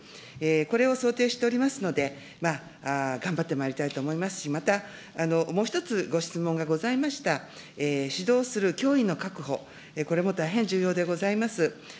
これを想定しておりますので、頑張ってまいりたいと思いますし、また、もう１つご質問がございました、指導する教員の確保、これも大変重要でございます。